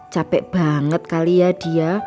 capek banget kali ya dia